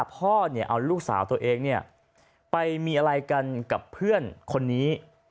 พ่อเอาลูกสาวตัวเองไปมีอะไรกันกับเพื่อนคนนี้